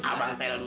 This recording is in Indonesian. abang tell me